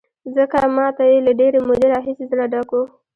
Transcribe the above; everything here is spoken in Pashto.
ځکه ما ته یې له ډېرې مودې راهیسې زړه ډک و.